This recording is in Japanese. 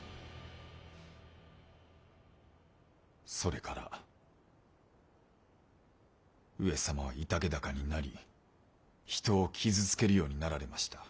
それから上様は居丈高になり人を傷つけるようになられました。